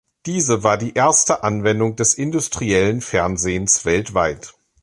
Diese war die erste Anwendung des industriellen Fernsehens weltweit.